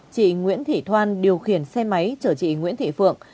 chị nguyễn thị thoan điều khiển xe máy chở chị nguyễn thị phượng